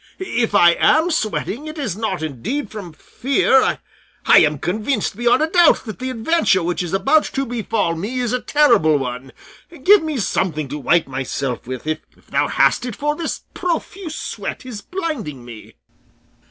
If I am sweating it is not indeed from fear. I am convinced beyond a doubt that the adventure which is about to befall me is a terrible one. Give me something to wipe myself with, if thou hast it, for this profuse sweat is blinding me."